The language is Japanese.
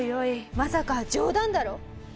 まさか冗談だろ？